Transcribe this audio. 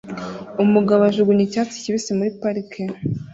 Umugabo ajugunya icyatsi kibisi muri parike